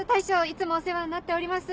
いつもお世話になっております。